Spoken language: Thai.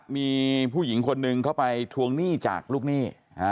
มีผู้หญิงคนหนึ่งเข้าไปทวงหนี้จากลูกหนี้